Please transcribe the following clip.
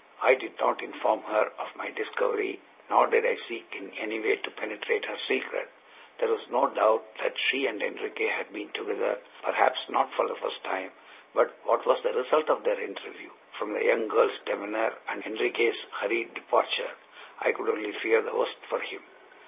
I did not inform her of my discovery, nor did I seek in any way to penetrate her secret. There was no doubt that she and Enriquez had been together, perhaps not for the first time; but what was the result of their interview? From the young girl's demeanor and Enriquez' hurried departure, I could only fear the worst for him.